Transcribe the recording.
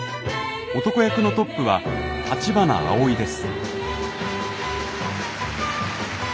男役のトップは橘アオイです。